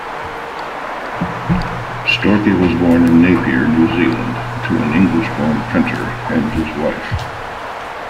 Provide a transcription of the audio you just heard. Storkey was born in Napier, New Zealand, to an English-born printer and his wife.